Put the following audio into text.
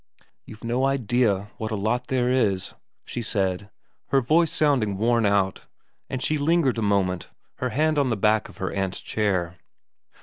' You've no idea what a lot there is,' she said, her voice sounding worn out ; and she lingered a moment, her hand on the back of her aunt's chair.